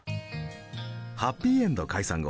はっぴいえんど解散後